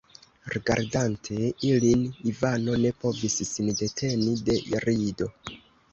Rigardante ilin, Ivano ne povis sin deteni de rido.